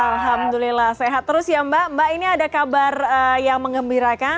alhamdulillah sehat terus ya mbak mbak ini ada kabar yang mengembirakan